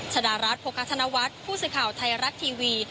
ชดารัฐโพกาธนวัฒน์ผู้สึกข่าวไทยรักท์ทีวี